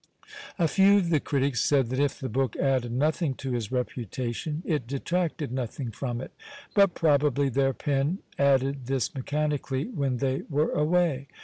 A few of the critics said that if the book added nothing to his reputation, it detracted nothing from it, but probably their pen added this mechanically when they were away.